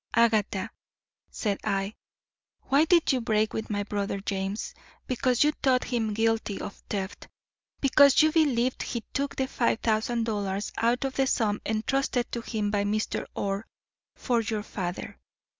"Agatha," said I, "why did you break with my brother James? Because you thought him guilty of theft; because you believed he took the five thousand dollars out of the sum entrusted to him by Mr. Orr for your father.